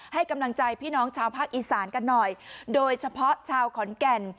ให้กำลังใจพี่น้องชาวภาคอีสานกันหน่อยโดยเฉพาะชาวขอนแก่น